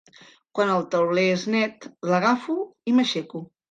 Quan el tauler és net l'agafo i m'aixeco.